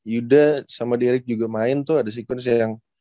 yuda sama derick juga main tuh ada sequence yang